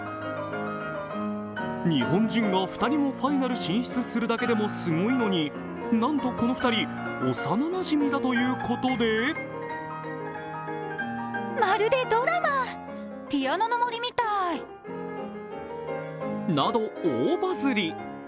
日本人が２人もファイナル進出するだけでもすごいのに、なんとこの２人、幼なじみだということでなど大バズり。